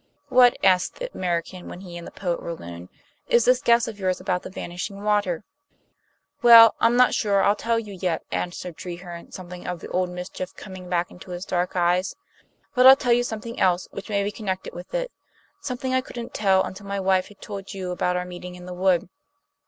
"What," asked the American, when he and the poet were alone, "is this guess of yours about the vanishing water?" "Well, I'm not sure I'll tell you yet," answered Treherne, something of the old mischief coming back into his dark eyes. "But I'll tell you something else, which may be connected with it; something I couldn't tell until my wife had told you about our meeting in the wood."